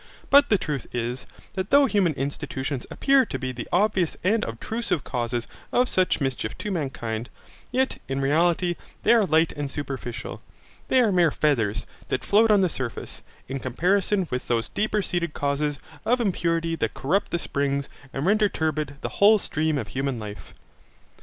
But the truth is, that though human institutions appear to be the obvious and obtrusive causes of much mischief to mankind, yet in reality they are light and superficial, they are mere feathers that float on the surface, in comparison with those deeper seated causes of impurity that corrupt the springs and render turbid the whole stream of human life.